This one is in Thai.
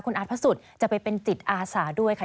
อาร์ตพระสุทธิ์จะไปเป็นจิตอาสาด้วยค่ะ